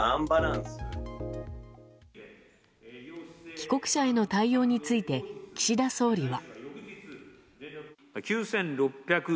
帰国者への対応について岸田総理は。